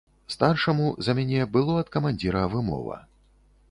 Старшаму за мяне было ад камандзіра вымова.